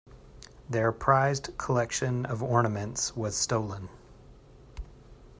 Their prized collection of ornaments was stolen.